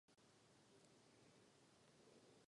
Některé atributy nám pomáhají k dataci listin.